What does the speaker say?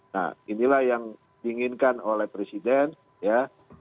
nah inilah yang diinginkan oleh presiden ya